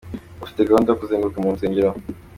Bafite gahunda yo kuzenguruka mu nsengero.